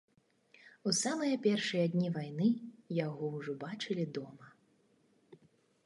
У самыя першыя дні вайны яго ўжо бачылі дома.